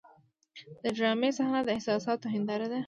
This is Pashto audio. د ډرامې صحنه د احساساتو هنداره ده.